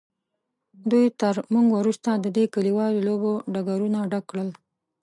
دوی تر موږ وروسته د دې کلیوالو لوبو ډګرونه ډک کړل.